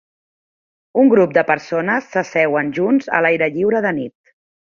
Un grup de persones s'asseuen junts a l'aire lliure de nit.